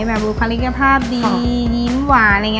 แบบว่าความริขภาพดียิ้มหวาน